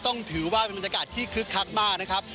ถือว่าเป็นบรรยากาศที่คึกคักมากนะครับ